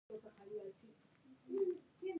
همدرد هم وینا وکړه.